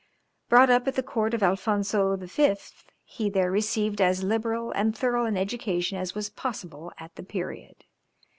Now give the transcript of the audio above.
Brought up at the court of Alphonzo V., he there received as liberal and thorough an education as was possible at the period.